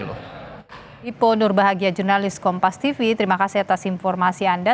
ipo nurbahagia jurnalis kompas tv terima kasih atas informasi anda